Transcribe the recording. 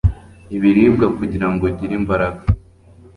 ibiribwa kugira ngo ugire imbaraga